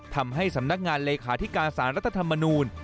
ทำให้สำนักงานเลขาธิการสารรัฐธรรมนูล